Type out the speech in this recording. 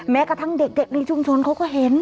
แม้กระทั่งเด็กในชุมชนเขาก็เห็น